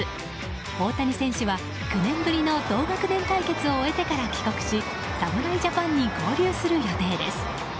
大谷選手は９年ぶりの同学年対決を終えてから帰国し侍ジャパンに合流する予定です。